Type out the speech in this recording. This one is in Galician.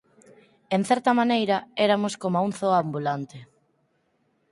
En certa maneira, eramos coma un zoo ambulante.